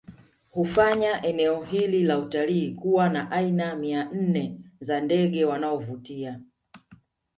Hufanya eneo hili la utalii kuwa na aina mia nne za ndege wanaovutia